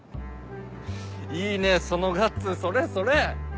いいねそのガッツそれそれ！